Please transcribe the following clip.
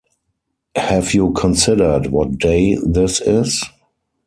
Have you considered what day this is?